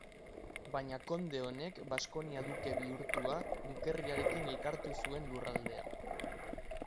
Baina konde honek Baskonia duke bihurtua, dukerriarekin elkartu zuen lurraldea.